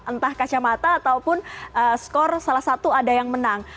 entah kacamata ataupun skor salah satu ada yang menang